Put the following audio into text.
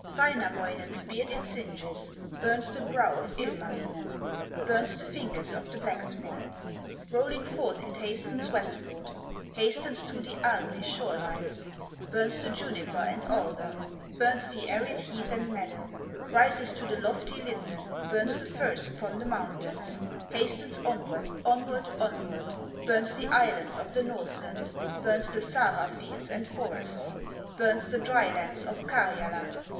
Wainamoinen's beard it singes, Burns the brow of Ilmarinen, Burns the fingers of the blacksmith. Rolling forth it hastens westward, Hastens to the Alue shore lines, Burns the juniper and alder, Burns the arid heath and meadow, Rises to the lofty linden, Burns the firs upon the mountains; Hastens onward, onward, onward, Burns the islands of the Northland, Burns the Sawa fields and forests, Burns the dry lands of Karyala.